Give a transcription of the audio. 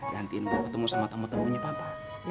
gantiin gue ketemu sama temen temennya papa